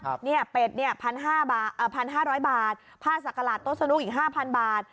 เป็ด๑๕๐๐บาทผ้าสักกระหลาดโต๊ะสนุกอีก๕๐๐๐บาท